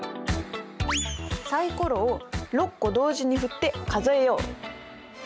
サイコロを６個同時に振って数えよう！